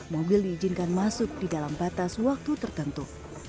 mobil diizinkan masuk di dalam batas waktu tertentu